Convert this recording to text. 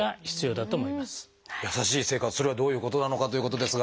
それはどういうことなのかということですが。